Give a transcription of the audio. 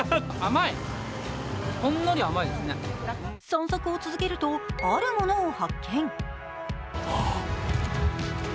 散策を続けるとあるものを発見。